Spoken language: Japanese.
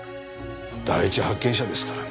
第一発見者ですからね。